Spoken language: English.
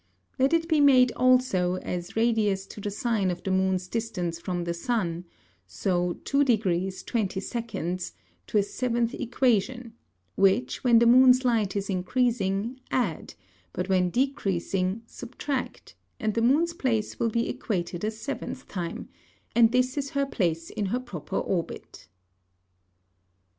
Let it be made also, as Radius to the Sine of the Moon's distance from the Sun :: so 2 degrees, 20 secants, to a seventh Equation; which when the Moon's Light is increasing, add; but when decreasing, subtract; and the Moon's Place will be equated a seventh time, and this is her Place in her proper Orbit.